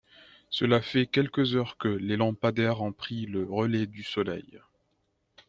Cela fait quelques heures que les lampadaires ont pris le relais du soleil.